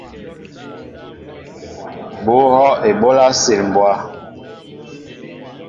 Bŭ ŋhɔʼ eɓólá á sil mbwá.